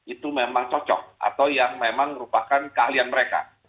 itu memang cocok atau yang memang merupakan keahlian mereka